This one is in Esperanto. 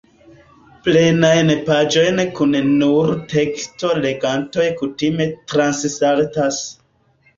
Plenajn paĝojn kun nur teksto legantoj kutime transsaltas.